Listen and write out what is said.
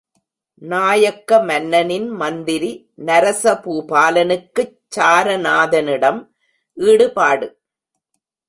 நாயக்க மன்னனின் மந்திரி நரச பூபாலனுக்குச் சாரநாதனிடம் ஈடுபாடு.